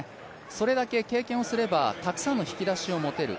それだけ経験をすれば、たくさんの引き出しを持てる。